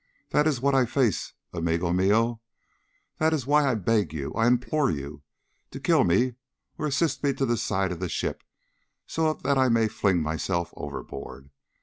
That is what I face, amigo mio. That is why I beg you, I implore you, to kill me or assist me to the side of the ship so that I may fling myself overboard!